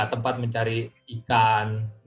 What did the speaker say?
tempat mencari ikan